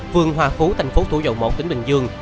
vườn hòa phú tp thủ dầu một tỉnh bình dương